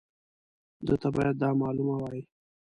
ده ته باید دا معلومه وای.